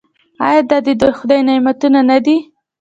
آیا دا د خدای نعمتونه نه دي؟